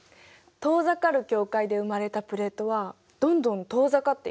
遠ざかる境界で生まれたプレートはどんどん遠ざかっていくよね。